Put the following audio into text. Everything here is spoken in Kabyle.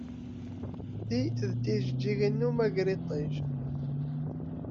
Ti d tijejjigin n umagriṭij.